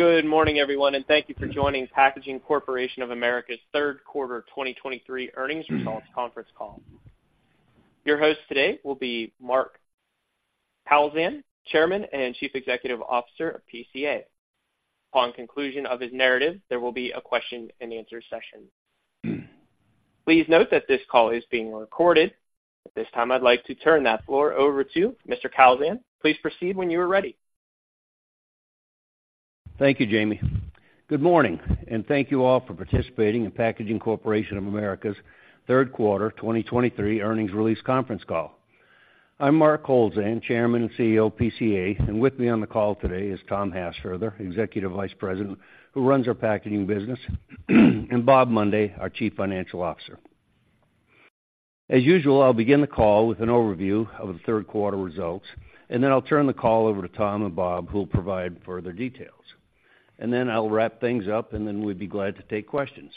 Good morning, everyone, and thank you for joining Packaging Corporation of America's Third Quarter 2023 Earnings Results Conference Call. Your host today will be Mark Kowlzan, Chairman and Chief Executive Officer of PCA. Upon conclusion of his narrative, there will be a question-and-answer session. Please note that this call is being recorded. At this time, I'd like to turn the floor over to Mr. Kowlzan. Please proceed when you are ready. Thank you, Jamie. Good morning, and thank you all for participating in Packaging Corporation of America's Third Quarter 2023 Earnings Release Conference Call. I'm Mark Kowlzan, Chairman and CEO of PCA, and with me on the call today is Tom Hassfurther, Executive Vice President, who runs our packaging business, and Bob Mundy, our Chief Financial Officer. As usual, I'll begin the call with an overview of the third quarter results, and then I'll turn the call over to Tom and Bob, who will provide further details. And then I'll wrap things up, and then we'd be glad to take questions.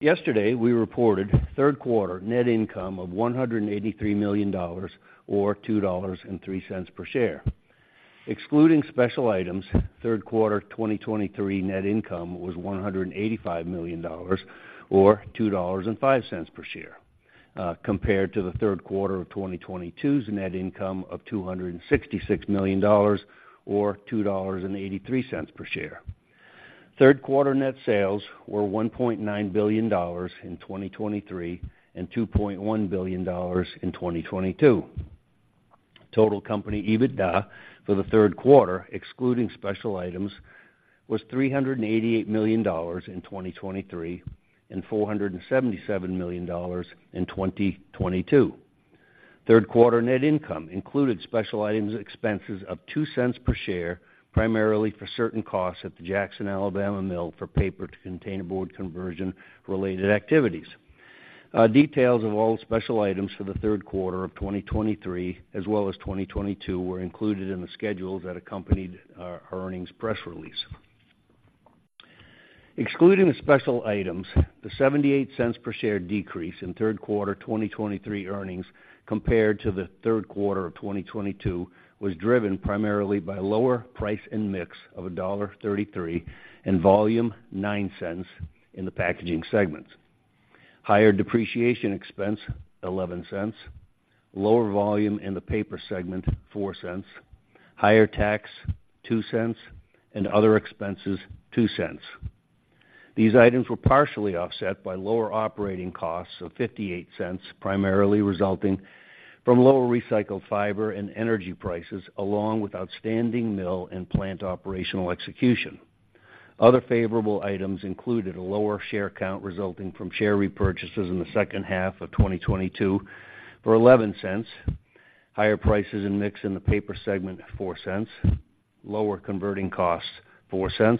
Yesterday, we reported third quarter net income of $183 million or $2.03 per share. Excluding special items, third quarter 2023 net income was $185 million or $2.05 per share, compared to the third quarter of 2022's net income of $266 million or $2.83 per share. Third quarter net sales were $1.9 billion in 2023 and $2.1 billion in 2022. Total company EBITDA for the third quarter, excluding special items, was $388 million in 2023 and $477 million in 2022. Third quarter net income included special items expenses of $0.02 per share, primarily for certain costs at the Jackson, Alabama mill for paper to containerboard conversion-related activities. Details of all special items for the third quarter of 2023, as well as 2022, were included in the schedules that accompanied our earnings press release. Excluding the special items, the $0.78 per share decrease in third quarter 2023 earnings compared to the third quarter of 2022 was driven primarily by lower price and mix of $1.33, and volume $0.09 in the packaging segments. Higher depreciation expense, $0.11, lower volume in the paper segment, $0.04, higher tax, $0.02, and other expenses, $0.02. These items were partially offset by lower operating costs of $0.58, primarily resulting from lower recycled fiber and energy prices, along with outstanding mill and plant operational execution. Other favorable items included a lower share count resulting from share repurchases in the second half of 2022 for $0.11, higher prices and mix in the paper segment, $0.04, lower converting costs, $0.04,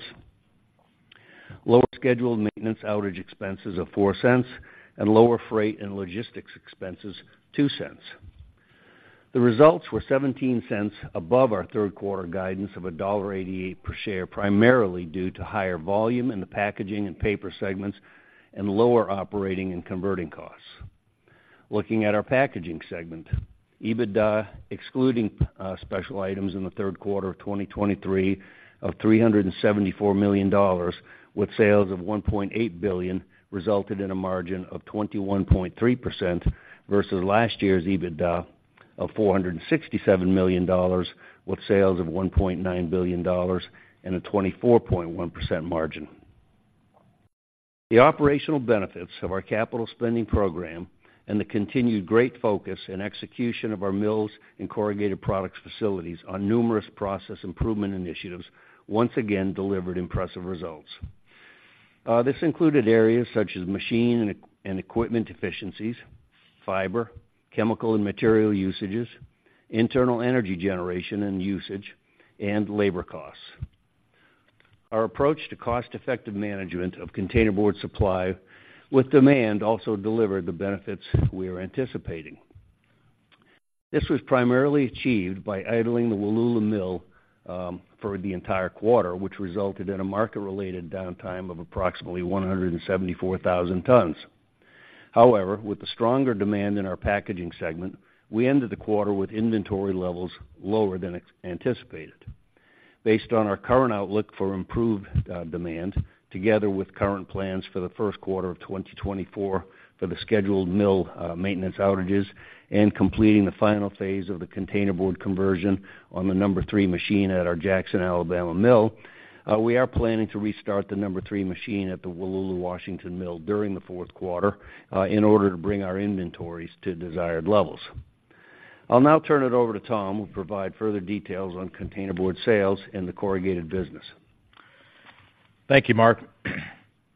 lower scheduled maintenance outage expenses of $0.04, and lower freight and logistics expenses, $0.02. The results were $0.17 above our third quarter guidance of $1.88 per share, primarily due to higher volume in the packaging and paper segments and lower operating and converting costs. Looking at our packaging segment, EBITDA, excluding special items in the third quarter of 2023 of $374 million, with sales of $1.8 billion, resulted in a margin of 21.3% versus last year's EBITDA of $467 million, with sales of $1.9 billion and a 24.1% margin. The operational benefits of our capital spending program and the continued great focus and execution of our mills and corrugated products facilities on numerous process improvement initiatives, once again, delivered impressive results. This included areas such as machine and equipment efficiencies, fiber, chemical and material usages, internal energy generation and usage, and labor costs. Our approach to cost-effective management of containerboard supply with demand also delivered the benefits we are anticipating. This was primarily achieved by idling the Wallula Mill for the entire quarter, which resulted in a market-related downtime of approximately 174,000 tons. However, with the stronger demand in our packaging segment, we ended the quarter with inventory levels lower than expected. Based on our current outlook for improved demand, together with current plans for the first quarter of 2024 for the scheduled mill maintenance outages and completing the final phase of the containerboard conversion on the number three machine at our Jackson, Alabama mill, we are planning to restart the number three machine at the Wallula, Washington mill during the fourth quarter in order to bring our inventories to desired levels. I'll now turn it over to Tom, who will provide further details on containerboard sales in the corrugated business. Thank you, Mark.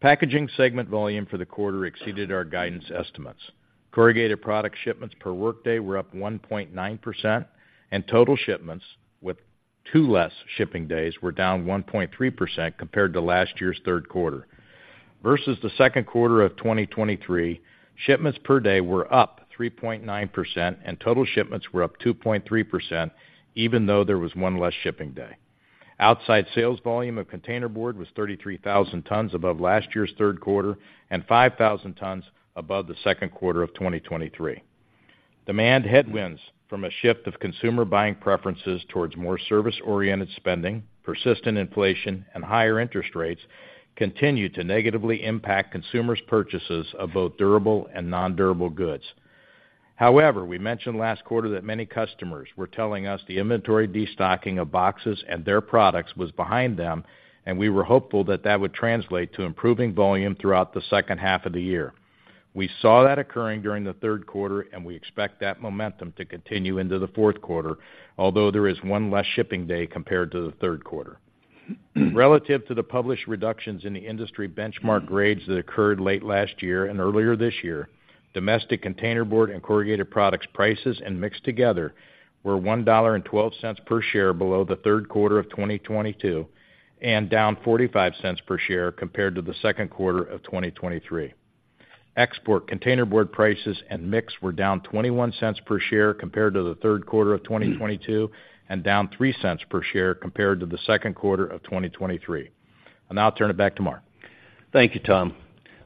Packaging segment volume for the quarter exceeded our guidance estimates. Corrugated product shipments per workday were up 1.9%, and total shipments with two less shipping days, were down 1.3% compared to last year's third quarter. Versus the second quarter of 2023, shipments per day were up 3.9%, and total shipments were up 2.3%, even though there was one less shipping day. Outside sales volume of containerboard was 33,000 tons above last year's third quarter and 5,000 tons above the second quarter of 2023. Demand headwinds from a shift of consumer buying preferences towards more service-oriented spending, persistent inflation, and higher interest rates continue to negatively impact consumers' purchases of both durable and nondurable goods. However, we mentioned last quarter that many customers were telling us the inventory destocking of boxes and their products was behind them, and we were hopeful that that would translate to improving volume throughout the second half of the year. We saw that occurring during the third quarter, and we expect that momentum to continue into the fourth quarter, although there is one less shipping day compared to the third quarter. Relative to the published reductions in the industry benchmark grades that occurred late last year and earlier this year, domestic containerboard and corrugated products prices and mix were $1.12 per share below the third quarter of 2022, and down $0.45 per share compared to the second quarter of 2023. Export containerboard prices and mix were down $0.21 per share compared to the third quarter of 2022, and down $0.03 per share compared to the second quarter of 2023. I'll now turn it back to Mark. Thank you, Tom.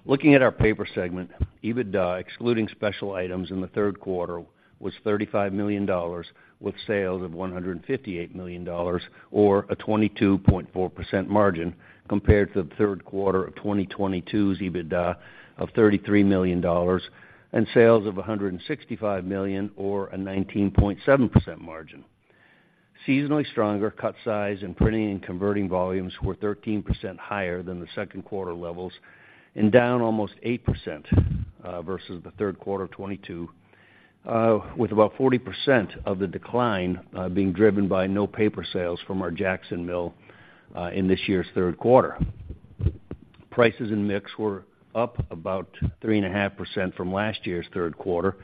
Looking at our paper segment, EBITDA, excluding special items in the third quarter, was $35 million, with sales of $158 million, or a 22.4% margin, compared to the third quarter of 2022's EBITDA of $33 million and sales of $165 million, or a 19.7% margin. Seasonally stronger cut size and printing and converting volumes were 13% higher than the second quarter levels and down almost 8%, versus the third quarter of 2022, with about 40% of the decline being driven by no paper sales from our Jackson Mill in this year's third quarter. Prices and mix were up about 3.5% from last year's third quarter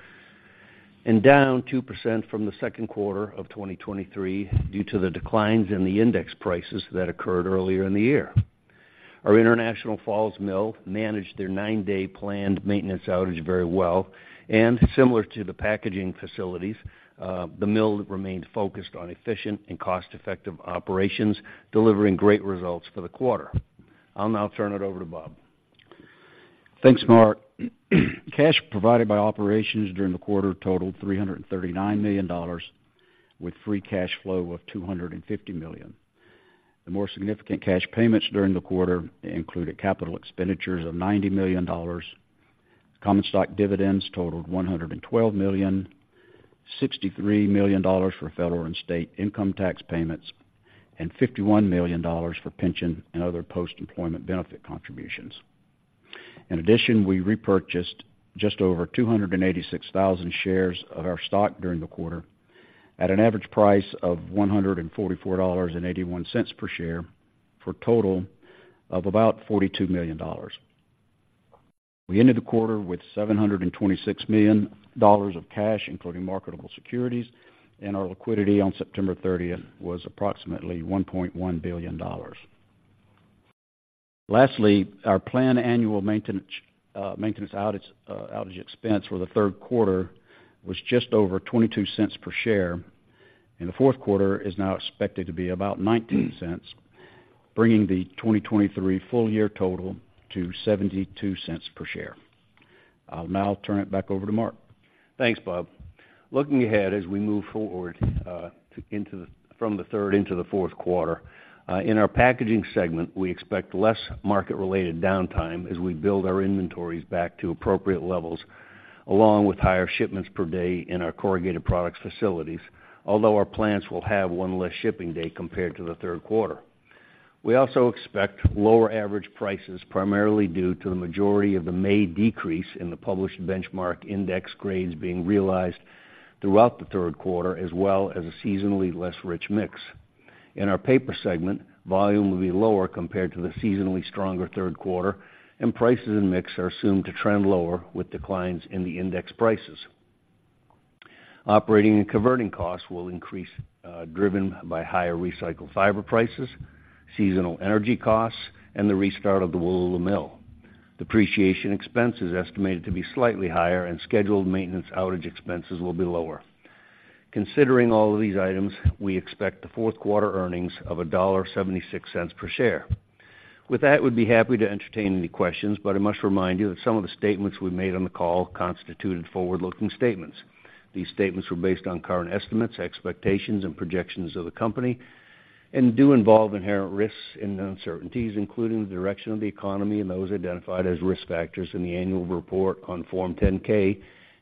and down 2% from the second quarter of 2023 due to the declines in the index prices that occurred earlier in the year. Our International Falls Mill managed their nine-day planned maintenance outage very well, and similar to the packaging facilities, the mill remained focused on efficient and cost-effective operations, delivering great results for the quarter. I'll now turn it over to Bob. Thanks, Mark. Cash provided by operations during the quarter totaled $339 million, with free cash flow of $250 million. The more significant cash payments during the quarter included capital expenditures of $90 million. Common stock dividends totaled $112 million, $63 million for federal and state income tax payments, and $51 million for pension and other post-employment benefit contributions. In addition, we repurchased just over 286,000 shares of our stock during the quarter at an average price of $144.81 per share, for a total of about $42 million. We ended the quarter with $726 million of cash, including marketable securities, and our liquidity on September 30 was approximately $1.1 billion. Lastly, our planned annual maintenance outage expense for the third quarter was just over $0.22 per share, and the fourth quarter is now expected to be about $0.19, bringing the 2023 full year total to $0.72 per share. I'll now turn it back over to Mark. Thanks, Bob. Looking ahead as we move forward, from the third into the fourth quarter, in our packaging segment, we expect less market-related downtime as we build our inventories back to appropriate levels, along with higher shipments per day in our corrugated products facilities, although our plants will have one less shipping day compared to the third quarter. We also expect lower average prices, primarily due to the majority of the May decrease in the published benchmark index grades being realized throughout the third quarter, as well as a seasonally less rich mix. In our paper segment, volume will be lower compared to the seasonally stronger third quarter, and prices and mix are assumed to trend lower with declines in the index prices. Operating and converting costs will increase, driven by higher recycled fiber prices, seasonal energy costs, and the restart of the Wallula mill. Depreciation expense is estimated to be slightly higher, and scheduled maintenance outage expenses will be lower. Considering all of these items, we expect the fourth quarter earnings of $1.76 per share. With that, we'd be happy to entertain any questions, but I must remind you that some of the statements we made on the call constituted forward-looking statements. These statements were based on current estimates, expectations, and projections of the company and do involve inherent risks and uncertainties, including the direction of the economy and those identified as risk factors in the annual report on Form 10-K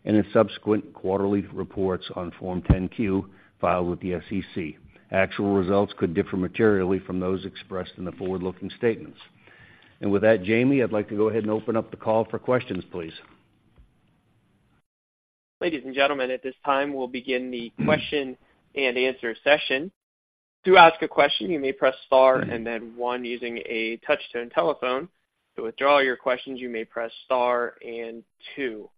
and in subsequent quarterly reports on Form 10-Q filed with the SEC. Actual results could differ materially from those expressed in the forward-looking statements. With that, Jamie, I'd like to go ahead and open up the call for questions, please. Ladies and gentlemen, at this time, we'll begin the question and answer session. To ask a question, you may press star and then one using a touch-tone telephone. To withdraw your questions, you may press star and two.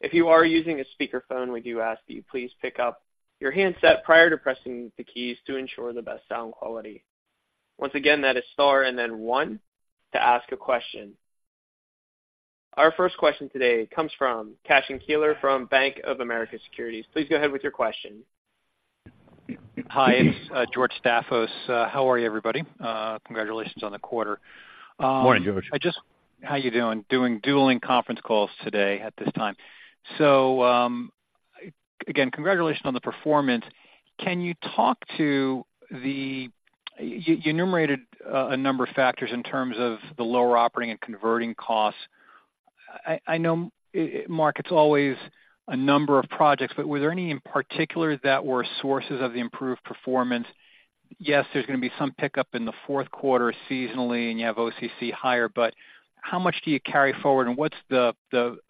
If you are using a speakerphone, we do ask that you please pick up your handset prior to pressing the keys to ensure the best sound quality. Once again, that is star and then one to ask a question. Our first question today comes from Cashen Keeler from Bank of America Securities. Please go ahead with your question. Hi, it's George Staphos. How are you, everybody? Congratulations on the quarter. Good morning, George. How are you doing? Doing dueling conference calls today at this time. So, again, congratulations on the performance. Can you talk to the you enumerated a number of factors in terms of the lower operating and converting costs. I know, Mark, it's always a number of projects, but were there any in particular that were sources of the improved performance? Yes, there's gonna be some pickup in the fourth quarter seasonally, and you have OCC higher, but how much do you carry forward, and what's the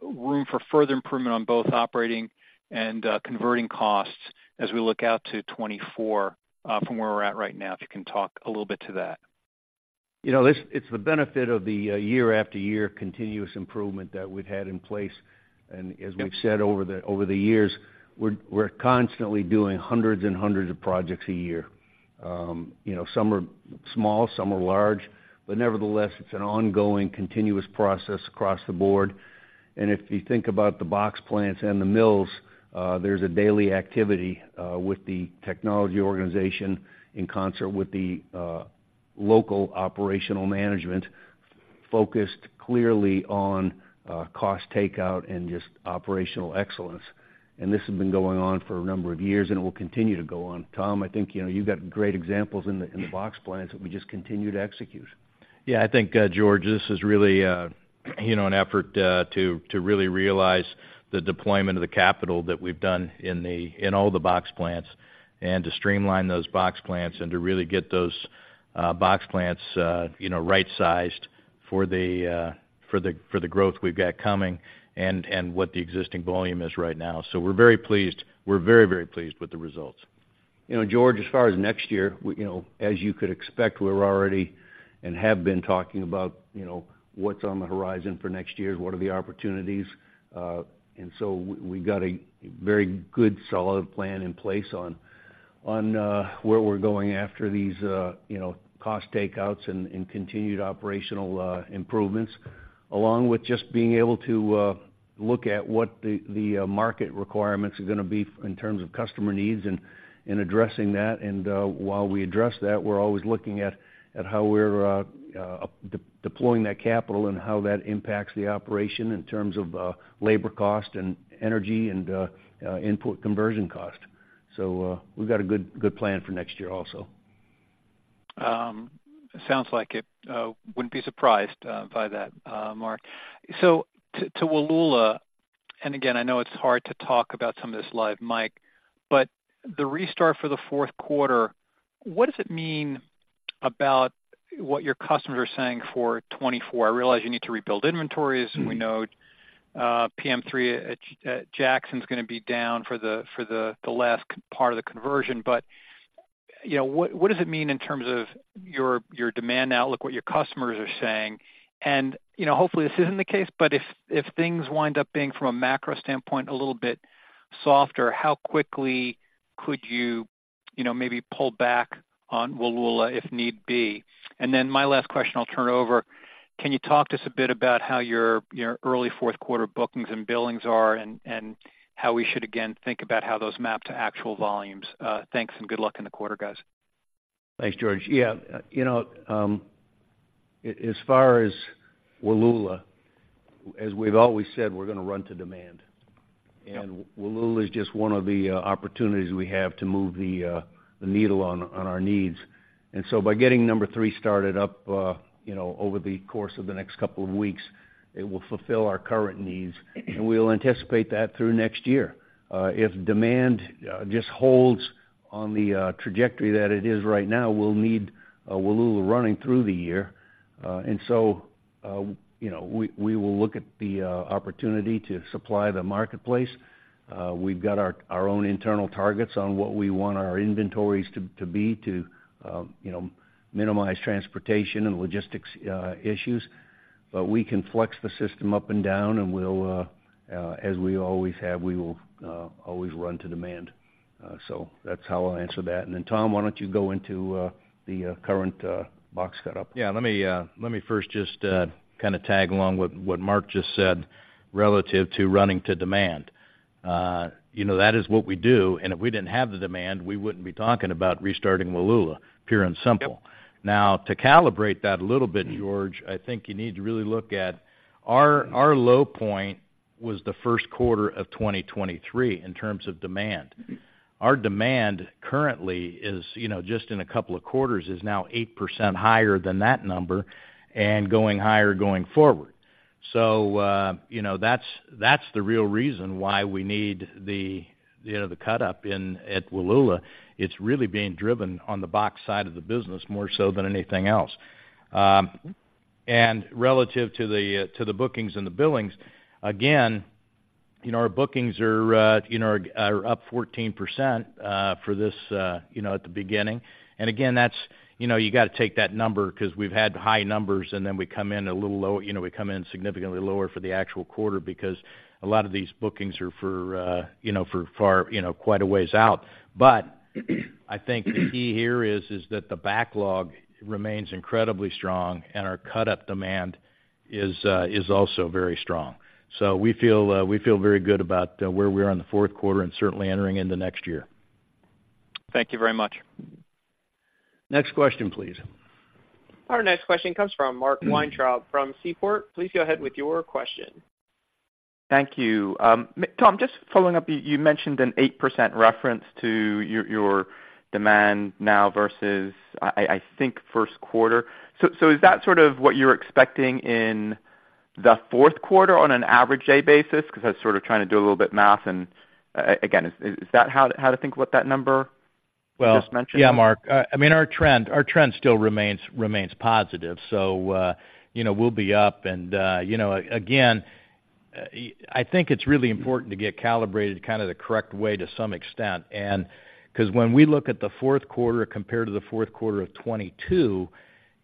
room for further improvement on both operating and converting costs as we look out to 2024 from where we're at right now? If you can talk a little bit to that. You know, this, it's the benefit of the year after year, continuous improvement that we've had in place. And as we've said over the, over the years, we're, we're constantly doing hundreds and hundreds of projects a year. You know, some are small, some are large, but nevertheless, it's an ongoing, continuous process across the board. And if you think about the box plants and the mills, there's a daily activity with the technology organization in concert with the local operational management, focused clearly on cost takeout and just operational excellence. And this has been going on for a number of years, and it will continue to go on. Tom, I think, you know, you've got great examples in the, in the box plants that we just continue to execute. Yeah, I think, George, this is really, you know, an effort to really realize the deployment of the capital that we've done in all the box plants, and to streamline those box plants and to really get those box plants, you know, right-sized for the growth we've got coming and what the existing volume is right now. So we're very pleased. We're very, very pleased with the results. You know, George, as far as next year, we, you know, as you could expect, we're already and have been talking about, you know, what's on the horizon for next year? What are the opportunities? And so we've got a very good, solid plan in place on, on, where we're going after these, you know, cost takeouts and, and continued operational, improvements, along with just being able to, look at what the, the, market requirements are gonna be in terms of customer needs and, and addressing that. And, while we address that, we're always looking at, at how we're, deploying that capital and how that impacts the operation in terms of, labor cost and energy and, input conversion cost. So, we've got a good, good plan for next year also. Sounds like it. Wouldn't be surprised by that, Mark. So to Wallula, and again, I know it's hard to talk about some of this live, Mike, but the restart for the fourth quarter, what does it mean about what your customers are saying for 2024? I realize you need to rebuild inventories, and we know PM3 at Jackson's gonna be down for the last part of the conversion. But, you know, what does it mean in terms of your demand outlook, what your customers are saying? And, you know, hopefully, this isn't the case, but if things wind up being, from a macro standpoint, a little bit softer, how quickly could you, you know, maybe pull back on Wallula, if need be? Then my last question, I'll turn over: Can you talk to us a bit about how your early fourth quarter bookings and billings are, and how we should again think about how those map to actual volumes? Thanks, and good luck in the quarter, guys. Thanks, George. Yeah, you know, as far as Wallula, as we've always said, we're gonna run to demand. Yep. Wallula is just one of the opportunities we have to move the needle on our needs. By getting number three started up, you know, over the course of the next couple of weeks, it will fulfill our current needs, and we'll anticipate that through next year. If demand just holds on the trajectory that it is right now, we'll need Wallula running through the year. You know, we will look at the opportunity to supply the marketplace. We've got our own internal targets on what we want our inventories to be to, you know, minimize transportation and logistics issues. But we can flex the system up and down, and we'll, as we always have, we will always run to demand. So that's how I'll answer that. And then, Tom, why don't you go into the current box set up? Yeah, let me first just kinda tag along with what Mark just said relative to running to demand. You know, that is what we do, and if we didn't have the demand, we wouldn't be talking about restarting Wallula, pure and simple. Yep. Now, to calibrate that a little bit, George, I think you need to really look at our low point was the first quarter of 2023 in terms of demand. Our demand currently is, you know, just in a couple of quarters, is now 8% higher than that number and going higher going forward. So, you know, that's the real reason why we need the, you know, the cut up in at Wallula. It's really being driven on the box side of the business more so than anything else. And relative to the to the bookings and the billings, again, you know, our bookings are, you know, are up 14%, for this, you know, at the beginning. And again, that's... You know, you gotta take that number 'cause we've had high numbers, and then we come in a little low, you know, we come in significantly lower for the actual quarter because a lot of these bookings are for, you know, for far, you know, quite a ways out. But I think the key here is, is that the backlog remains incredibly strong, and our cut up demand is, is also very strong. So we feel, we feel very good about, where we are in the fourth quarter and certainly entering into next year. Thank you very much. Next question, please. Our next question comes from Mark Weintraub from Seaport. Please go ahead with your question. Thank you. Tom, just following up, you mentioned an 8% reference to your demand now versus, I think, first quarter. So, is that sort of what you're expecting in the fourth quarter on an average day basis? Because I was sort of trying to do a little bit math, and, again, is that how to think about that number you just mentioned? Well, yeah, Mark. I mean, our trend still remains positive, so, you know, we'll be up. And, you know, I think it's really important to get calibrated kind of the correct way to some extent. And 'cause when we look at the fourth quarter compared to the fourth quarter of 2022,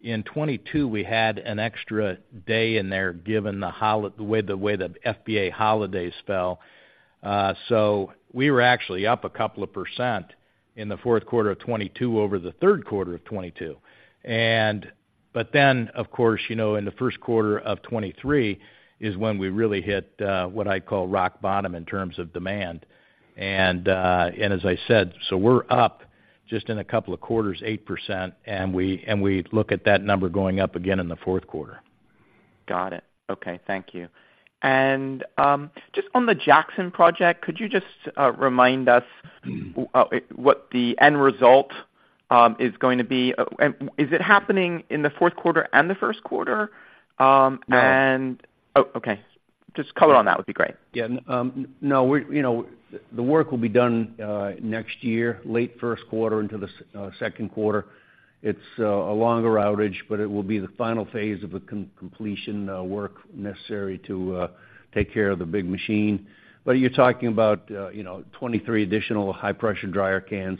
in 2022, we had an extra day in there, given the way the FBA holidays fell. So we were actually up a couple of percent in the fourth quarter of 2022 over the third quarter of 2022. And, but then, of course, you know, in the first quarter of 2023 is when we really hit what I call rock bottom in terms of demand. And as I said, so we're up just in a couple of quarters, 8%, and we look at that number going up again in the fourth quarter. Got it. Okay, thank you. And, just on the Jackson project, could you just, remind us- Mm-hmm What the end result is going to be? And is it happening in the fourth quarter and the first quarter? And- No. Oh, okay. Just color on that would be great. Yeah. No, we're, you know, the work will be done next year, late first quarter into the second quarter. It's a longer outage, but it will be the final phase of the completion work necessary to take care of the big machine. But you're talking about, you know, 23 additional high-pressure dryer cans,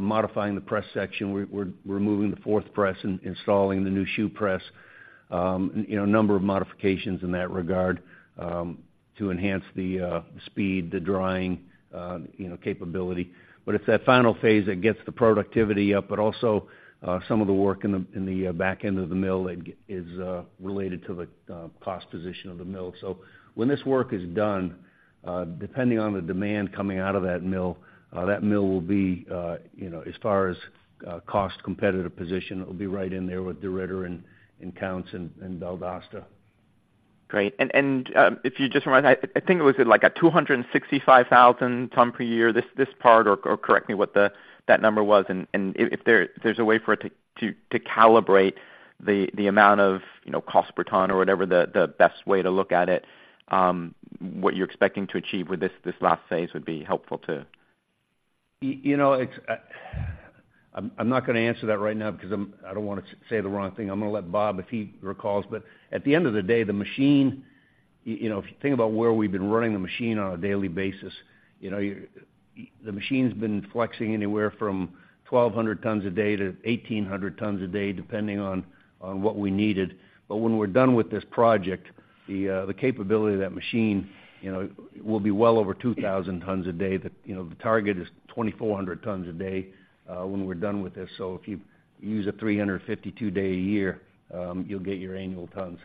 modifying the press section. We're removing the fourth press and installing the new shoe press. You know, a number of modifications in that regard to enhance the speed, the drying capability. But it's that final phase that gets the productivity up, but also some of the work in the back end of the mill that is related to the cost position of the mill. So when this work is done, depending on the demand coming out of that mill, that mill will be, you know, as far as cost competitive position, it will be right in there with DeRidder and Counce and Valdosta. Great. And if you just remind, I think it was at, like, a 265,000 ton per year, this part, or correct me what that number was. And if there's a way for it to calibrate the amount of, you know, cost per ton or whatever the best way to look at it, what you're expecting to achieve with this last phase would be helpful too. You know, it's... I'm not gonna answer that right now because I'm—I don't wanna say the wrong thing. I'm gonna let Bob, if he recalls. But at the end of the day, the machine, you know, if you think about where we've been running the machine on a daily basis, you know, the machine's been flexing anywhere from 1,200 tons a day to 1,800 tons a day, depending on what we needed. But when we're done with this project, the capability of that machine, you know, will be well over 2,000 tons a day. You know, the target is 2,400 tons a day when we're done with this. So if you use a 352-day a year, you'll get your annual tons.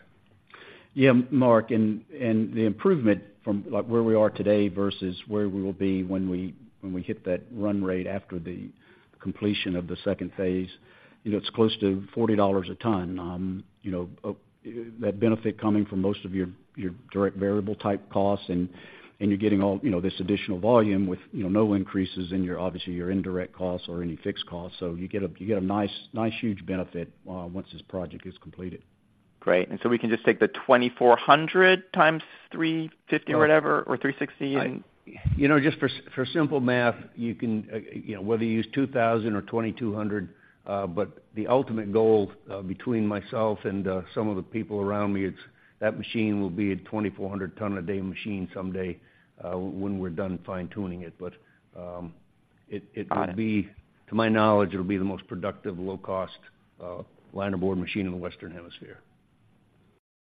Yeah, Mark, and the improvement from, like, where we are today versus where we will be when we hit that run rate after the completion of the second phase, you know, it's close to $40 a ton. You know, that benefit coming from most of your direct variable-type costs, and you're getting all, you know, this additional volume with, you know, no increases in your, obviously, your indirect costs or any fixed costs. So you get a nice huge benefit once this project is completed. Great. And so we can just take the 2,400 times 350 or whatever, or 360 and- You know, just for simple math, you can, you know, whether you use 2000 or 2200, but the ultimate goal, between myself and some of the people around me, it's that machine will be a 2400-ton-a-day machine someday, when we're done fine-tuning it. But it. Got it Will be, to my knowledge, it'll be the most productive, low-cost linerboard machine in the Western Hemisphere.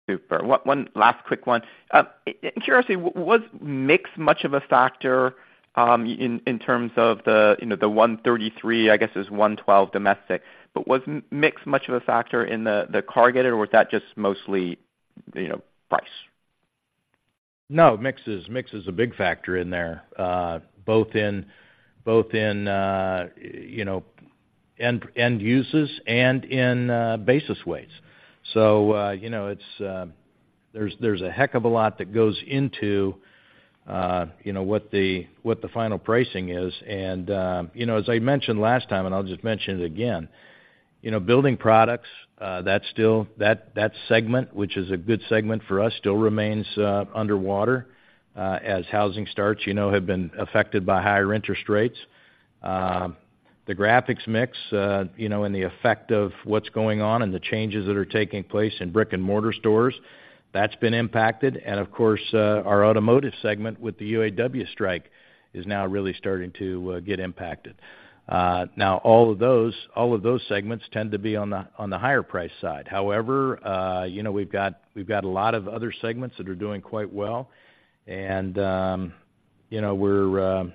Super. One, one last quick one. And curiously, was mix much of a factor in terms of the, you know, the $133, I guess is $112 domestic, but was mix much of a factor in the cargo, or was that just mostly, you know, price? No, mix is a big factor in there, both in you know, end uses and in basis weights. So, you know, there's a heck of a lot that goes into, you know, what the final pricing is. And, you know, as I mentioned last time, and I'll just mention it again, you know, building products, that's still that segment, which is a good segment for us, still remains underwater, as housing starts, you know, have been affected by higher interest rates. The graphics mix, you know, and the effect of what's going on and the changes that are taking place in brick-and-mortar stores, that's been impacted. And of course, our automotive segment with the UAW strike is now really starting to get impacted. Now, all of those, all of those segments tend to be on the higher price side. However, you know, we've got, we've got a lot of other segments that are doing quite well, and, you know,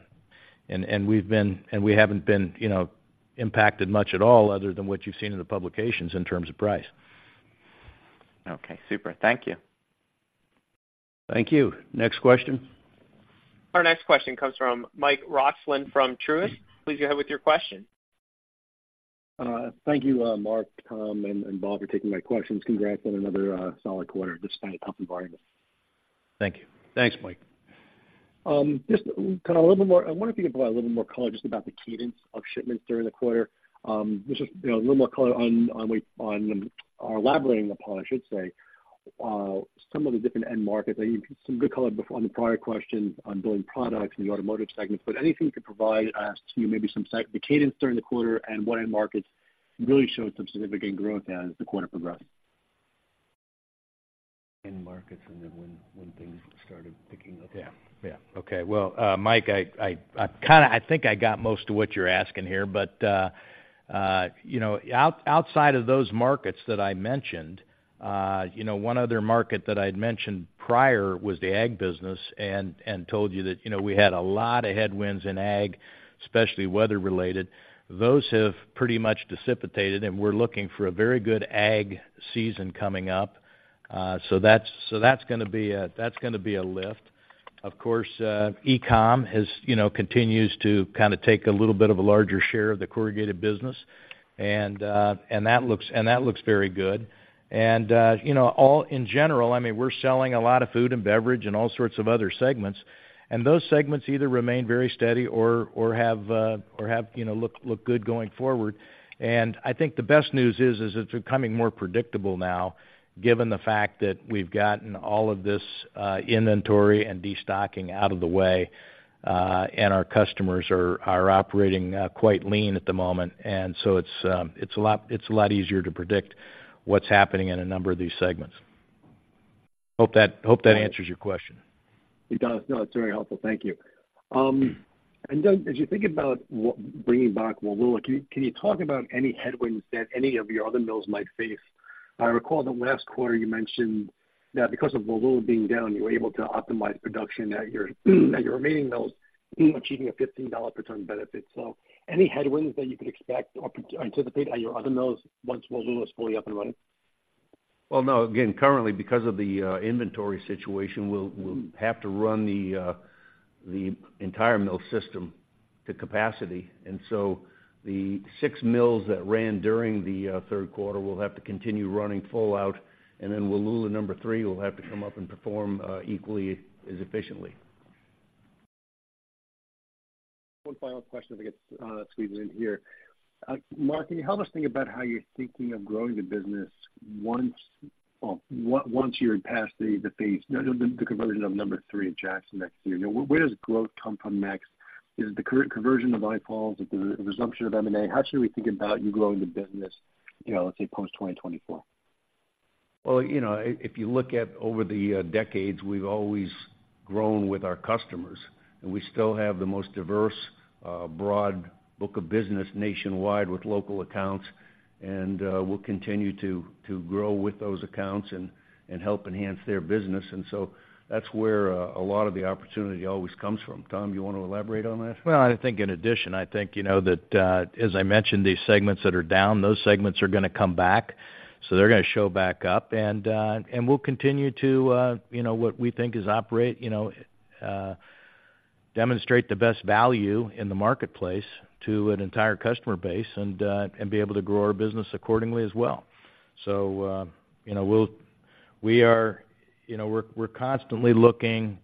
and we haven't been, you know, impacted much at all, other than what you've seen in the publications in terms of price. Okay, super. Thank you. Thank you. Next question. Our next question comes from Michael Roxland from Truist. Please go ahead with your question. Thank you, Mark, Tom, and Bob, for taking my questions. Congrats on another solid quarter, despite a tough environment. Thank you. Thanks, Mike. Just kind of a little bit more—I wonder if you could provide a little more color just about the cadence of shipments during the quarter. Just, you know, a little more color on or elaborating upon, I should say, some of the different end markets. I need some good color on the prior questions on building products in the automotive segment. But anything you could provide as to maybe the cadence during the quarter and what end markets really showed some significant growth as the quarter progressed? End markets and then when things started picking up. Yeah, yeah. Okay. Well, Mike, I kind of... I think I got most of what you're asking here, but, you know, outside of those markets that I mentioned, you know, one other market that I'd mentioned prior was the ag business, and told you that, you know, we had a lot of headwinds in ag, especially weather-related. Those have pretty much dissipated, and we're looking for a very good ag season coming up. So that's gonna be a lift. Of course, e-com has, you know, continues to kind of take a little bit of a larger share of the corrugated business, and that looks very good. And you know, all in general, I mean, we're selling a lot of food and beverage and all sorts of other segments, and those segments either remain very steady or have you know, look, look good going forward. And I think the best news is it's becoming more predictable now, given the fact that we've gotten all of this inventory and destocking out of the way, and our customers are operating quite lean at the moment. And so it's a lot easier to predict what's happening in a number of these segments. Hope that answers your question. It does. No, it's very helpful. Thank you. And, as you think about what bringing back Wallula, can you, can you talk about any headwinds that any of your other mills might face? I recall that last quarter you mentioned that because of Wallula being down, you were able to optimize production at your, at your remaining mills, achieving a $15 per ton benefit. So any headwinds that you could expect or anticipate at your other mills once Wallula is fully up and running? Well, no, again, currently, because of the inventory situation, we'll, we'll have to run the entire mill system to capacity. And so the six mills that ran during the third quarter will have to continue running full out, and then Wallula number three will have to come up and perform equally as efficiently. One final question, I think, squeeze it in here. Mark, can you help us think about how you're thinking of growing the business once, well, once you're past the phase, the conversion of number three at Jackson next year? Now, where does growth come from next? Is it the current conversion of International Falls, is it the resumption of M&A? How should we think about you growing the business, you know, let's say, post-2024? Well, you know, if you look at over the decades, we've always grown with our customers, and we still have the most diverse broad book of business nationwide with local accounts. And we'll continue to grow with those accounts and help enhance their business. And so that's where a lot of the opportunity always comes from. Tom, do you want to elaborate on that? Well, I think in addition, I think, you know, that, as I mentioned, these segments that are down, those segments are gonna come back, so they're gonna show back up. And, and we'll continue to, you know, what we think is operate, you know, demonstrate the best value in the marketplace to an entire customer base and, and be able to grow our business accordingly as well. So, you know, we'll-- we are, you know, we're, we're constantly looking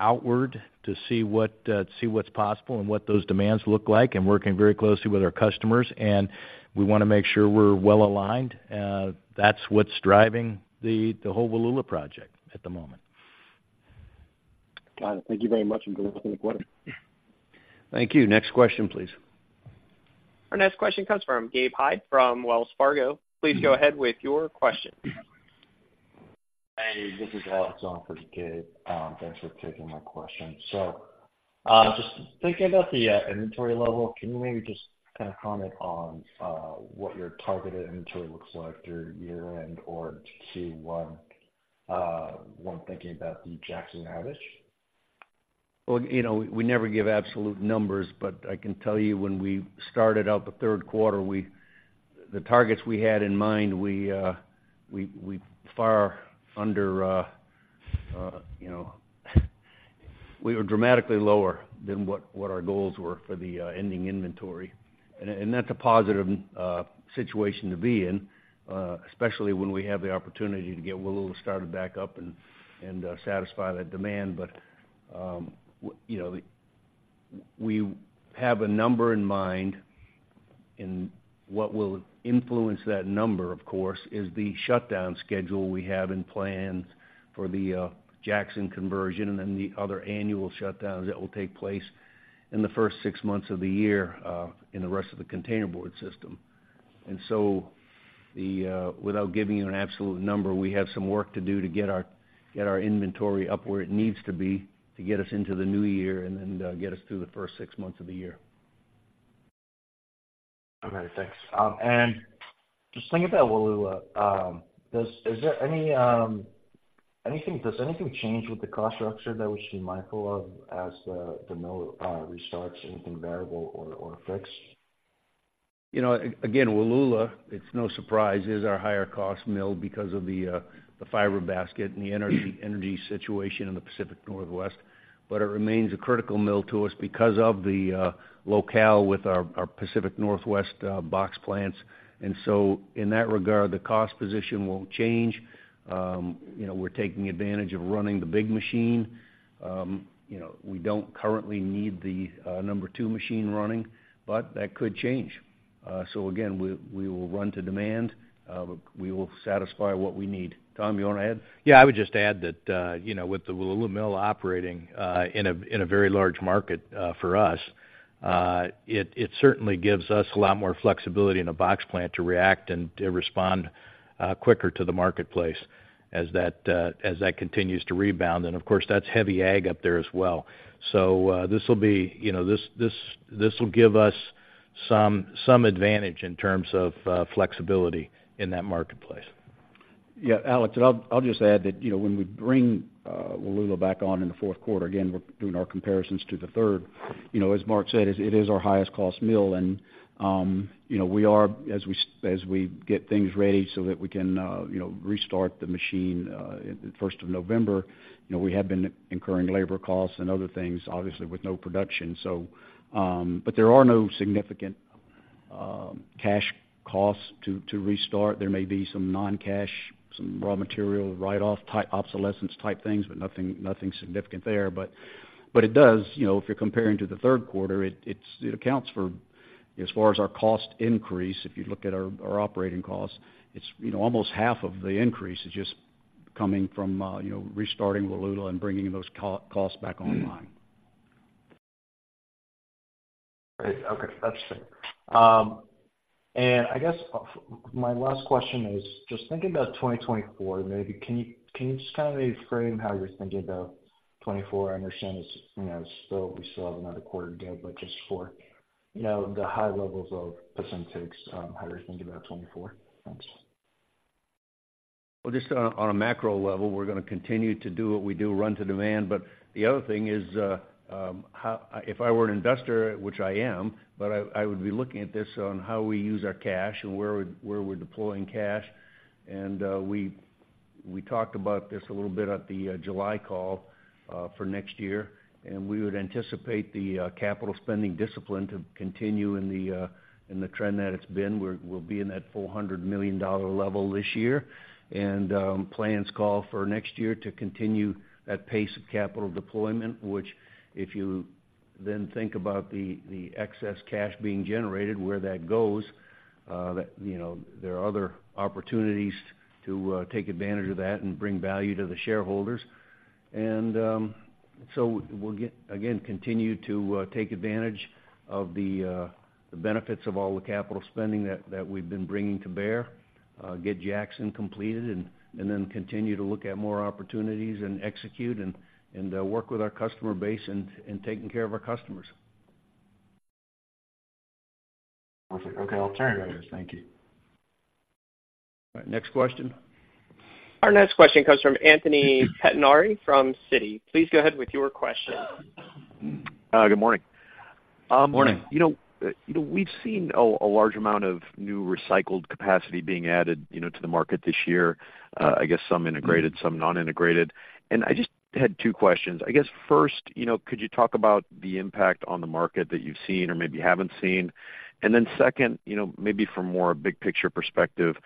outward to see what, see what's possible and what those demands look like, and working very closely with our customers, and we wanna make sure we're well-aligned. That's what's driving the, the whole Wallula project at the moment. Got it. Thank you very much, and good luck in the quarter. Thank you. Next question, please. Our next question comes from Gabe Hajde from Wells Fargo. Please go ahead with your question. Hey, this is Alex on for Gabe. Thanks for taking my question. So, just thinking about the inventory level, can you maybe just kind of comment on what your targeted inventory looks like through year-end or Q1, when thinking about the Jackson outage? Well, you know, we never give absolute numbers, but I can tell you when we started out the third quarter, the targets we had in mind, you know, we were dramatically lower than what our goals were for the ending inventory. And that's a positive situation to be in, especially when we have the opportunity to get Wallula started back up and satisfy that demand. But you know, we have a number in mind, and what will influence that number, of course, is the shutdown schedule we have in plan for the Jackson conversion and then the other annual shutdowns that will take place in the first six months of the year, in the rest of the containerboard system. Without giving you an absolute number, we have some work to do to get our inventory up where it needs to be to get us into the new year and then get us through the first six months of the year. All right, thanks. And just thinking about Wallula, is there anything, does anything change with the cost structure that we should be mindful of as the mill restarts, anything variable or fixed? You know, again, Wallula, it's no surprise, is our higher-cost mill because of the fiber basket and the energy situation in the Pacific Northwest. But it remains a critical mill to us because of the locale with our Pacific Northwest box plants. And so in that regard, the cost position won't change. You know, we're taking advantage of running the big machine. You know, we don't currently need the number two machine running, but that could change. So again, we will run to demand, we will satisfy what we need. Tom, you wanna add? Yeah, I would just add that, you know, with the Wallula mill operating in a very large market for us, it certainly gives us a lot more flexibility in the box plant to react and to respond quicker to the marketplace as that continues to rebound. And, of course, that's heavy ag up there as well. So, you know, this will give us some advantage in terms of flexibility in that marketplace. Yeah, Alex, and I'll, I'll just add that, you know, when we bring Wallula back on in the fourth quarter, again, we're doing our comparisons to the third. You know, as Mark said, it, it is our highest cost mill, and, you know, we are, as we get things ready so that we can, you know, restart the machine, the first of November, you know, we have been incurring labor costs and other things, obviously, with no production. So, but there are no significant, cash costs to, to restart. There may be some non-cash, some raw material write-off type, obsolescence-type things, but nothing, nothing significant there. But it does, you know, if you're comparing to the third quarter, it accounts for, as far as our cost increase, if you look at our operating costs, it's, you know, almost half of the increase is just coming from, you know, restarting Wallula and bringing those costs back online. Great. Okay, that's fair. And I guess, my last question is, just thinking about 2024, maybe, can you, can you just kinda reframe how you're thinking about 2024? I understand it's, you know, still, we still have another quarter to go, but just for, you know, the high levels of percentages, how you're thinking about 2024? Thanks. Well, just on a macro level, we're gonna continue to do what we do, run to demand. But the other thing is, how... If I were an investor, which I am, but I would be looking at this on how we use our cash and where we're deploying cash. And we talked about this a little bit at the July call for next year, and we would anticipate the capital spending discipline to continue in the trend that it's been, where we'll be in that $400 million level this year. Plans call for next year to continue that pace of capital deployment, which if you then think about the excess cash being generated, where that goes, that you know there are other opportunities to take advantage of that and bring value to the shareholders. So we'll get again continue to take advantage of the benefits of all the capital spending that we've been bringing to bear, get Jackson completed, and then continue to look at more opportunities and execute and work with our customer base and taking care of our customers. Perfect. Okay, I'll turn. Thank you. All right, next question? Our next question comes from Anthony Pettinari from Citi. Please go ahead with your question. Good morning. Morning. You know, you know, we've seen a large amount of new recycled capacity being added, you know, to the market this year, I guess some integrated, some non-integrated. And I just had two questions: I guess, first, you know, could you talk about the impact on the market that you've seen or maybe haven't seen? And then second, you know, maybe from a more big-picture perspective,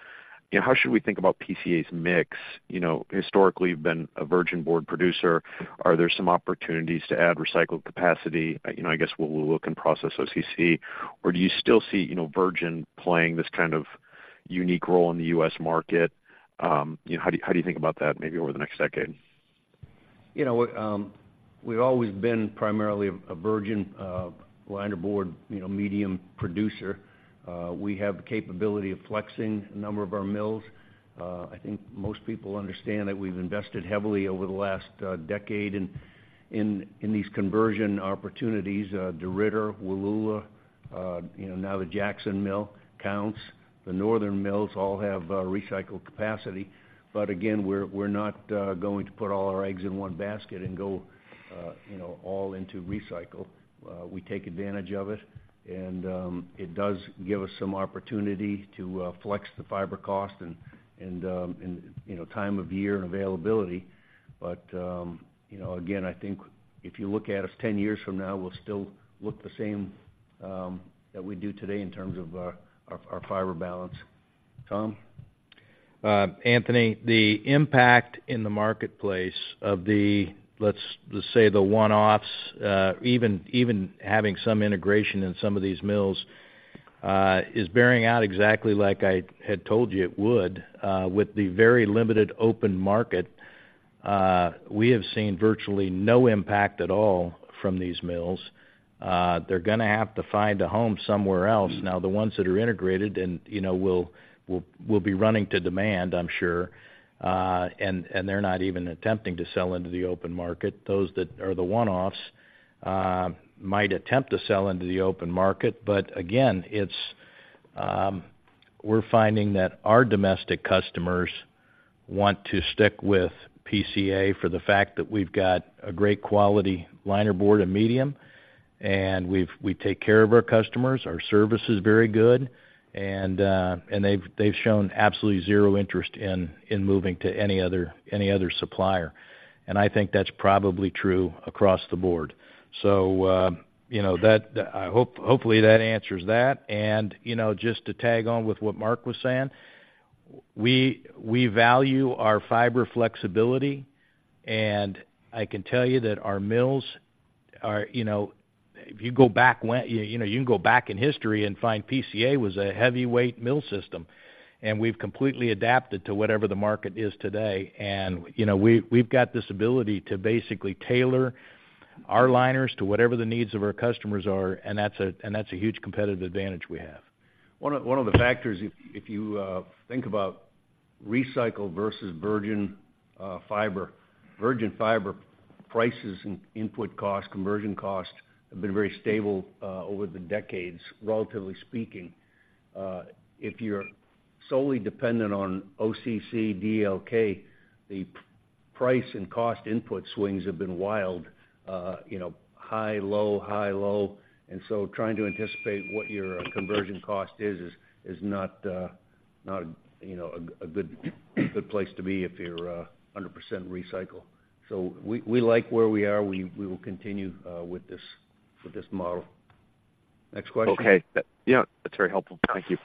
you know, how should we think about PCA's mix? You know, historically, you've been a virgin board producer. Are there some opportunities to add recycled capacity? You know, I guess, we'll look and process OCC, or do you still see, you know, virgin playing this kind of unique role in the U.S. market? You know, how do you, how do you think about that, maybe over the next decade? You know, we've always been primarily a virgin linerboard, you know, medium producer. We have the capability of flexing a number of our mills. I think most people understand that we've invested heavily over the last decade in these conversion opportunities, DeRidder, Wallula, you know, now the Jackson mill conversion, the northern mills all have recycled capacity. But again, we're not going to put all our eggs in one basket and go, you know, all into recycle. We take advantage of it, and it does give us some opportunity to flex the fiber cost and, you know, time of year and availability. But, you know, again, I think if you look at us 10 years from now, we'll still look the same, as we do today in terms of our fiber balance. Tom? Anthony, the impact in the marketplace of the, let's just say, the one-offs, even having some integration in some of these mills, is bearing out exactly like I had told you it would. With the very limited open market, we have seen virtually no impact at all from these mills. They're gonna have to find a home somewhere else. Now, the ones that are integrated and, you know, will be running to demand, I'm sure, and they're not even attempting to sell into the open market. Those that are the one-offs might attempt to sell into the open market, but again, it's. We're finding that our domestic customers want to stick with PCA for the fact that we've got a great quality linerboard and medium, and we take care of our customers. Our service is very good, and they've shown absolutely zero interest in moving to any other supplier. And I think that's probably true across the board. So, you know, hopefully that answers that. And, you know, just to tag on with what Mark was saying, we value our fiber flexibility, and I can tell you that our mills are, you know, if you go back, you know, you can go back in history and find PCA was a heavyweight mill system, and we've completely adapted to whatever the market is today. And, you know, we've got this ability to basically tailor our liners to whatever the needs of our customers are, and that's a huge competitive advantage we have. One of the factors, if you think about recycled versus virgin fiber. Virgin fiber prices and input costs, conversion costs have been very stable over the decades, relatively speaking. If you're solely dependent on OCC, DLK, the price and cost input swings have been wild. You know, high, low, high, low, and so trying to anticipate what your conversion cost is not, you know, a good place to be if you're 100% recycled. So we like where we are. We will continue with this model. Next question? Okay. Yeah, that's very helpful. Thank you.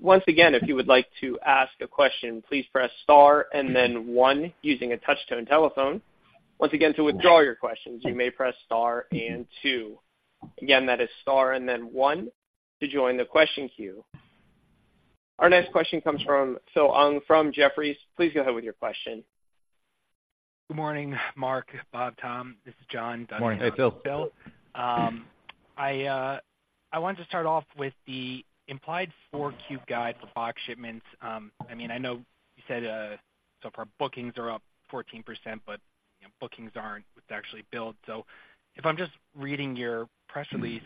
Once again, if you would like to ask a question, please press star and then one, using a touch-tone telephone. Once again, to withdraw your questions, you may press star and two. Again, that is star and then one to join the question queue. Our next question comes from Phil Ng, from Jefferies. Please go ahead with your question. Good morning, Mark, Bob, Tom. This is John. Good morning. Hey, Phil. I wanted to start off with the implied Q4 guide for box shipments. I mean, I know you said, so far, bookings are up 14%, but bookings aren't what's actually built. So if I'm just reading your press release,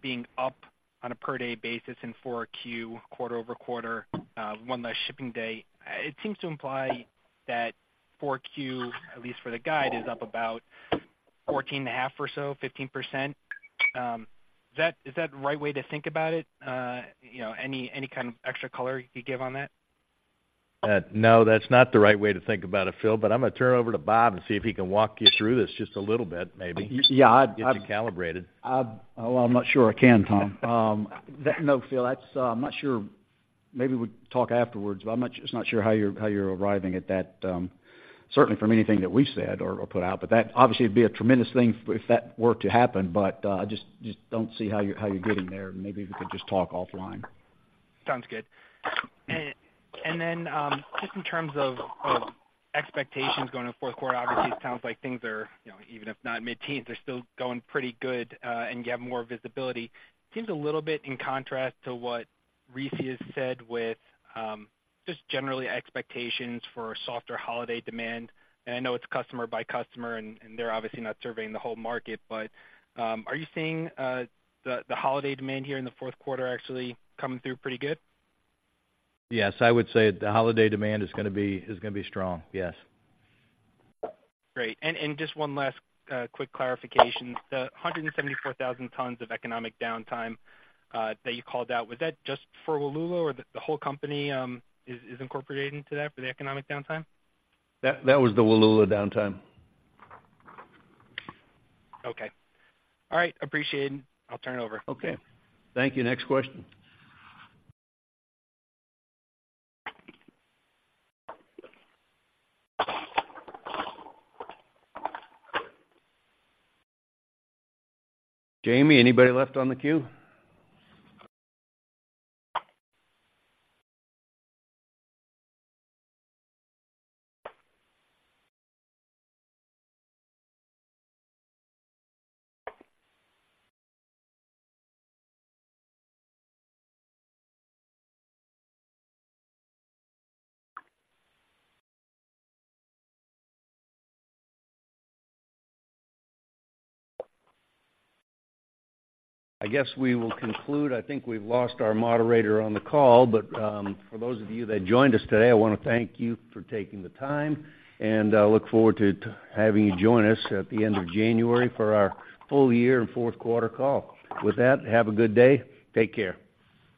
being up on a per-day basis in Q4, quarter-over-quarter, one less shipping day, it seems to imply that Q4, at least for the guide, is up about 14.5 or so, 15%. Is that the right way to think about it? You know, any kind of extra color you could give on that? No, that's not the right way to think about it, Phil, but I'm going to turn it over to Bob and see if he can walk you through this just a little bit, maybe. Yeah, I'd- Get you calibrated. Well, I'm not sure I can, Tom. No, Phil, that's... I'm not sure. Maybe we talk afterwards, but I'm not just not sure how you're, how you're arriving at that, certainly from anything that we've said or put out. But that obviously, it'd be a tremendous thing if if that were to happen, but, I just, just don't see how you're, how you're getting there. Maybe we could just talk offline. Sounds good. Then, just in terms of expectations going to fourth quarter, obviously, it sounds like things are, you know, even if not mid-teens, they're still going pretty good, and you have more visibility. Seems a little bit in contrast to what RISI has said with just generally expectations for a softer holiday demand. I know it's customer by customer, and they're obviously not surveying the whole market, but are you seeing the holiday demand here in the fourth quarter actually coming through pretty good? Yes, I would say the holiday demand is going to be, is going to be strong. Yes. Great. And just one last quick clarification. The 174,000 tons of economic downtime that you called out, was that just for Wallula, or the whole company is incorporating to that for the economic downtime? That was the Wallula downtime. Okay. All right, appreciate it. I'll turn it over. Okay. Thank you. Next question. Jamie, anybody left on the queue? I guess we will conclude. I think we've lost our moderator on the call, but for those of you that joined us today, I want to thank you for taking the time, and I look forward to having you join us at the end of January for our full year and fourth quarter call. With that, have a good day. Take care.